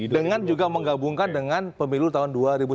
dengan juga menggabungkan dengan pemilu tahun dua ribu sembilan belas